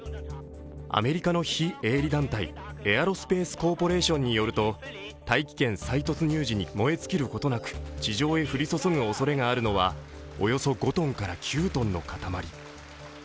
アメリカの非営利団体、エアロスペース・コーポレーションによると大気圏再突入時に燃え尽きることなく、地上へ降り注ぐおそれがあるのはおよそ５ｔから９ｔの塊。